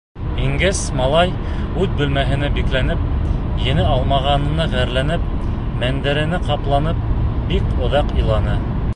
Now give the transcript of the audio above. Ингәс малай, үҙ бүлмәһенә бикләнеп, еңә алмағанына ғәрләнеп, мендәренә ҡапланып бик оҙаҡ иланы.